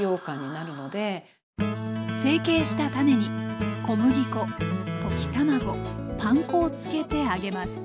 成形したタネに小麦粉溶き卵パン粉をつけて揚げます。